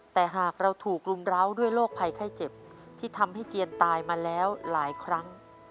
แต่หากเราถูกรุมร้าวด้วยโรคภัยไข้เจ็บที่ทำให้เจียนตายมาแล้วหลายครั้ง